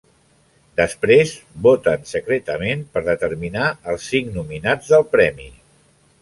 Després, voten secretament per determinar els cinc nominats del premi.